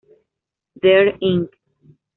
There Inc.